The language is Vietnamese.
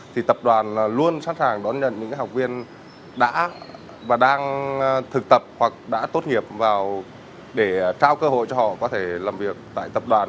thì tập đoàn luôn sẵn sàng đón nhận những học viên đã và đang thực tập hoặc đã tốt nghiệp vào để trao cơ hội cho họ có thể làm việc tại tập đoàn